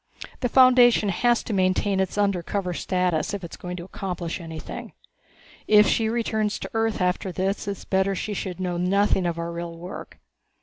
The Foundation has to maintain its undercover status if it is going to accomplish anything. If she returns to Earth after this it's better that she should know nothing of our real work.